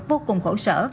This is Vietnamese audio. vô cùng khổ sở